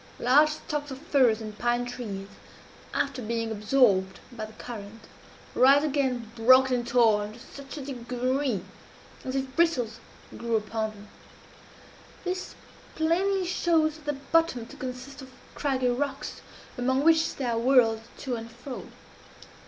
Large stocks of firs and pine trees, after being absorbed by the current, rise again broken and torn to such a degree as if bristles grew upon them. This plainly shows the bottom to consist of craggy rocks, among which they are whirled to and fro.